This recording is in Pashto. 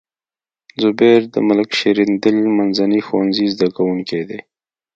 زبير د ملک شیریندل منځني ښوونځي زده کوونکی دی.